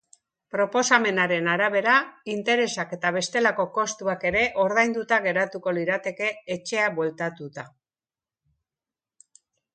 Proposamenaren arabera, interesak eta bestelako kostuak ere ordainduta geratuko lirateke etxea bueltatuta.